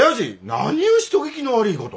何ゅう人聞きの悪いこと。